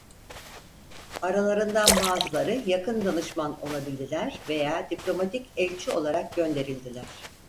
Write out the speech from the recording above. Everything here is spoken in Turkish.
Aralarından bazıları yakın danışman olabildiler veya diplomatik elçi olarak gönderildiler.